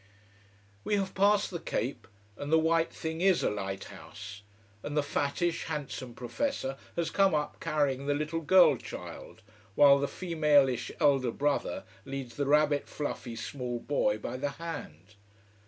We have passed the cape and the white thing is a lighthouse. And the fattish, handsome professor has come up carrying the little girl child, while the femalish elder brother leads the rabbit fluffy small boy by the hand.